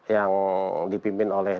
yang dipimpin oleh